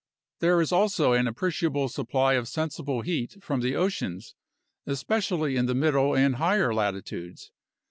There is also an ap preciable supply of sensible heat from the oceans, especially in the middle and higher latitudes.